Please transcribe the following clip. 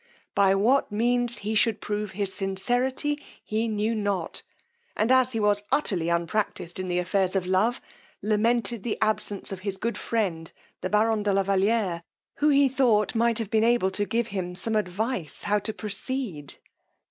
By what means he should prove his sincerity he knew not; and as he was utterly unpracticed in the affairs of love, lamented the absence of his good friend the baron de la Valiere, who he thought might have been, able to give him same advice, how to proceed.